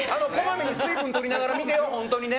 こまめに水分とりながら見てよ、本当にね。